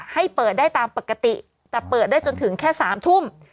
ให้เปิดได้ตามปกติแต่เปิดได้จนถึงแค่๓ทุ่ม